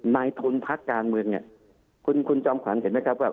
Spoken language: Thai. นายทุนพักการเมืองเนี่ยคุณจอมขวัญเห็นไหมครับว่า